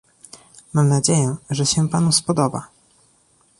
Mam nadzieję, że się panu spodoba!